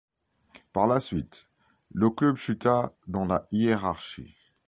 Par la suite, le club chuta dans la hiérarchie.